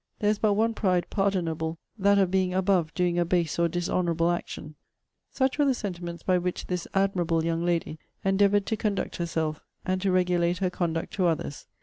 'There is but one pride pardonable; that of being above doing a base or dishonourable action.' Such were the sentiments by which this admirable young lady endeavoured to conduct herself, and to regulate her conduct to others.